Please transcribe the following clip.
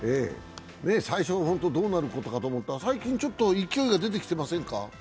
最初はホント、どうなることかと思ったけど、最近ちょっと勢いが出てきてませんか？